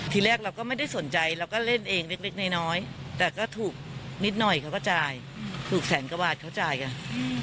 ทีแรกเราก็ไม่ได้สนใจเราก็เล่นเองเล็กน้อยแต่ก็ถูกนิดหน่อยเขาก็จ่ายถูกแสนกว่าบาทเขาจ่ายกัน